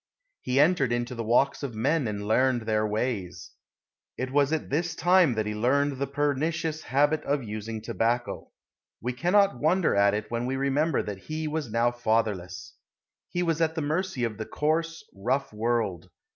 He entered into the walks of men and learned their ways. It was at this time that he learned the pernicious habit of using tobacco. We cannot wonder at it when we remember that he was now fatherless. He was at the mercy of the coarse, rough world.